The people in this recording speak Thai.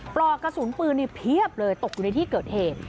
ปลอกกระสุนปืนเพียบเลยตกอยู่ในที่เกิดเหตุ